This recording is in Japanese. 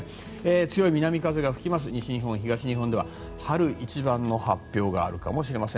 強い南風が吹きます西日本、東日本では春一番の発表があるかもしれません。